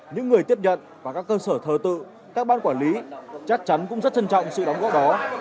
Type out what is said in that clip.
những người tiếp nhận và các cơ sở thờ tự các ban quản lý chắc chắn cũng rất trân trọng sự đóng góp đó